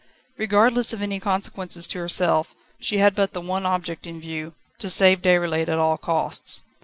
Regardless of any consequences to herself, she had but the one object in view, to save Déroulède at all costs.